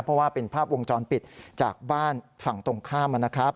เพราะว่าเป็นภาพวงจรปิดจากบ้านฝั่งตรงข้ามนะครับ